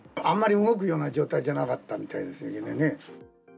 あんまり動くような状態ではなかったみたいですよね。